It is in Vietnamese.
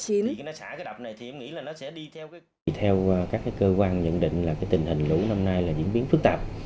vì nó xả cái đập này thì em nghĩ là nó sẽ đi theo các cơ quan nhận định là tình hình lũ năm nay là diễn biến phức tạp